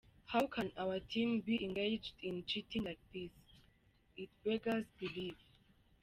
How can our team be engaged in cheating like this? It beggars belief.